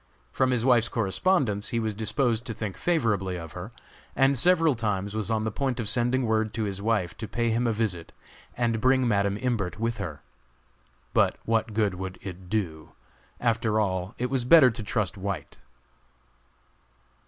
From his wife's correspondence, he was disposed to think favorably of her, and several times was on the point of sending word to his wife to pay him a visit and bring Madam Imbert with her. But what good would it do? After all, it was better to trust White.